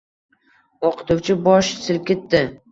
O‘qituvchi bosh silkidi.